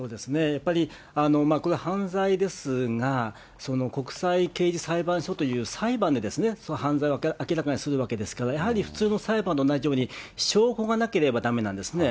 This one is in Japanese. やっぱり、これは犯罪ですが、国際刑事裁判所という裁判でですね、その犯罪を明らかにするわけですから、やはり普通の裁判と同じように証拠がなければだめなんですね。